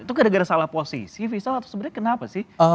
itu gara gara salah posisi visa atau sebenarnya kenapa sih